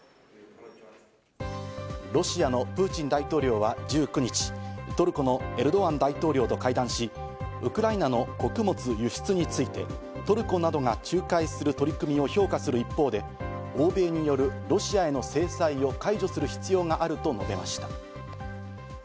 ロシアのプーチン大統領は１９日、トルコのエルドアン大統領と会談し、ウクライナの穀物輸出についてトルコなどが仲介する取り組みを評価する一方で、欧米によるロシアへの制裁を解除する必要があると述べました。